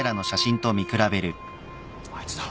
あいつだ！